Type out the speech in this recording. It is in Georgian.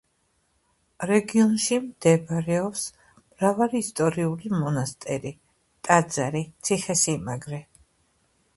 რეგიონში მდებარეობს მრავალი ისტორიული მონასტერი, ტაძარი, ციხესიმაგრე.